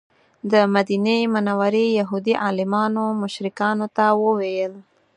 د مدینې منورې یهودي عالمانو مشرکانو ته وویل.